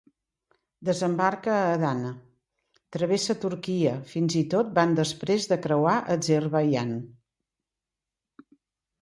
Desembarca a Adana, travessa Turquia fins i tot van després de creuar Azerbaidjan.